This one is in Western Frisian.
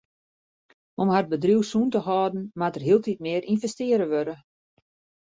Om har bedriuw sûn te hâlden moat der hieltyd mear ynvestearre wurde.